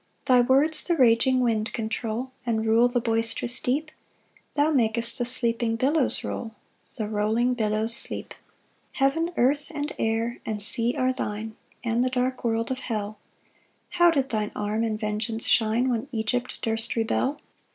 4 Thy words the raging wind control, And rule the boisterous deep; Thou mak'st the sleeping billows roll, The rolling billows sleep. 5 Heaven, earth, and air, and sea are thine, And the dark world of hell: How did thine arm in vengeance shine When Egypt durst rebel!